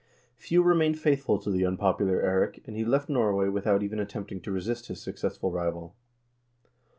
Few remained faithful to the unpopular Eirik, and he left Norway without even attempting to resist his suc cessful rival.